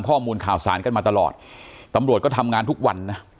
ข้อมูลข่าวสารกันมาตลอดตำรวจก็ทำงานทุกวันนะ